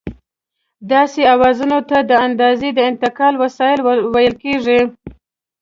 داسې اوزارونو ته د اندازې د انتقال وسایل ویل کېږي.